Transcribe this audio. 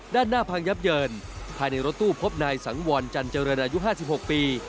ด้านหน้าพังยับเยินภายในรถตู้พบนายสังวรจันเจริญอายุ๕๖ปี